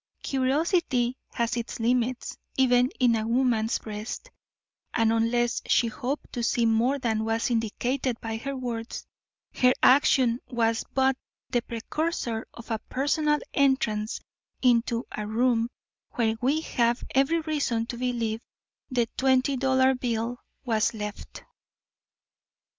Curiosity has its limits even in a woman's breast, and unless she hoped to see more than was indicated by her words, her action was but the precursor of a personal entrance into a room where we have every reason to believe the twenty dollar bill was left.